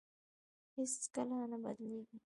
هېڅ کله نه بدلېږي.